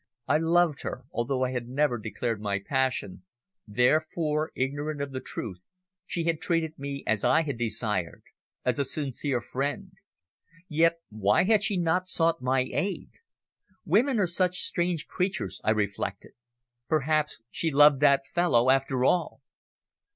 I loved her, although I had never declared my passion, therefore, ignorant of the truth, she had treated me as I had desired, as a sincere friend. Yet, why had she not sought my aid? Women are such strange creatures, I reflected. Perhaps she loved that fellow after all!